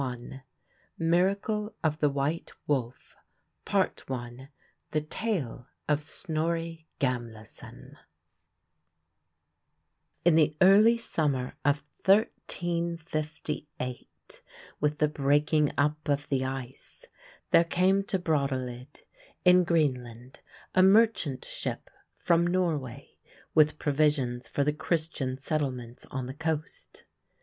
THE MIRACLE OF THE WHITE WOLF. I. THE TALE OF SNORRI GAMLASON In the early summer of 1358, with the breaking up of the ice, there came to Brattahlid, in Greenland, a merchant ship from Norway, with provisions for the Christian settlements on the coast.